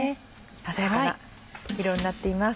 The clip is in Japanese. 鮮やかな色になっています。